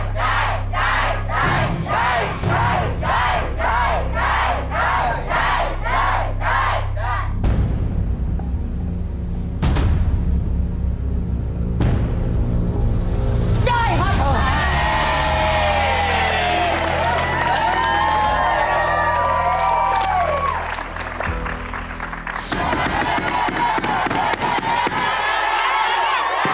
ได้ครับ